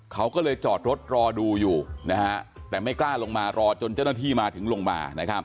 เขาก็เลยจอดรถรอดูอยู่แต่ไม่กล้าลงมารอจนเจ้าหน้าที่มาถึงลงมา